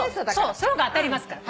その方が当たりますから。